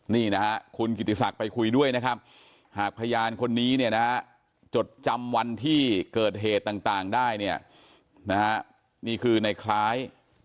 นี่นะฮะคุณกิติศักดิ์ไปคุยด้วยนะครับหากพยานคนนี้เนี่ยนะฮะจดจำวันที่เกิดเหตุต่างได้เนี่ยนะฮะนี่คือในคล้าย